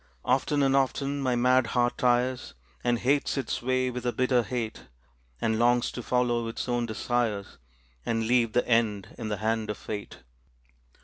Often and often my mad heart tires, And hates its way with a bitter hate, And longs to follow its own desires, And leave the end in the hand of fate.